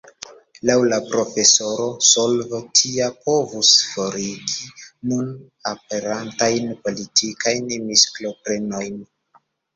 Laŭ la profesoro, solvo tia povus forigi nun aperantajn politikajn miskomprenojn.